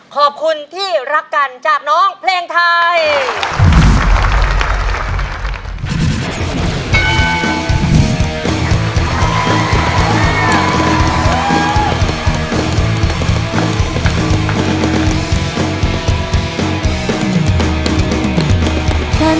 ขอบคุณที่รักกันจากน้องเพลงไทย